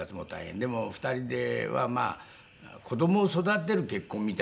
でも２人では子供を育てる結婚みたいな形でね。